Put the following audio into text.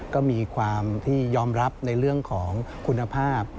ก็มีความที่ยอมรับในเรื่องของคุณภาพ